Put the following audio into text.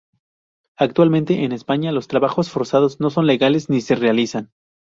Actualmente en España los trabajos forzados no son legales ni se realizan.